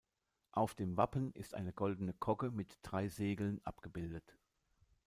Auf dem Wappen ist eine goldene Kogge mit drei Segeln abgebildet.